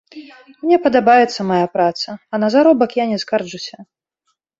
Мне падабаецца мая праца, а на заробак я не скарджуся.